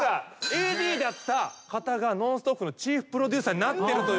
ＡＤだった方が『ノンストップ！』のチーフプロデューサーになってる。